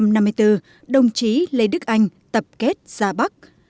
năm một nghìn chín trăm năm mươi bốn đồng chí lê đức anh tập kết ra bắc